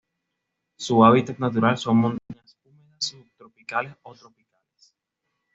Su hábitat natural son montañas húmedas subtropicales o tropicales.